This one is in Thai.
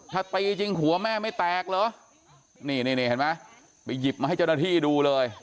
ถ้าตีจริงหัวแม่ไม่แตกเหรอนี่นี่เห็นไหมไปหยิบมาให้เจ้าหน้าที่ดูเลย